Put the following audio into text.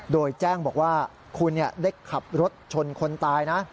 โดยแจ้งบอกว่าคุณได้ขับรถชนคนตายนะ